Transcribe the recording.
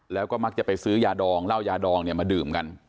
แล้วก็มักจะไปซื้อยาดองเหล้ายาดองเนี่ยมาดื่มกัน